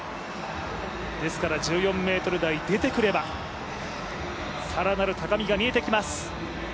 ですから１４ｍ台出てくれば更なる高みが見えてきます。